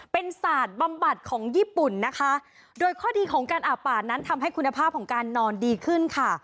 เป็นศาสตร์บำบัดของญี่ปุ่นนะคะโดยข้อดีของการอาบป่านั้นทำให้คุณภาพของการนอนดีขึ้นค่ะ